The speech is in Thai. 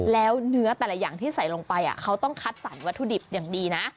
แล้วเนื้อแต่ละอย่างที่ใส่ลงไปเขาต้องคัดสรรวัตถุดิบอย่างดีนะ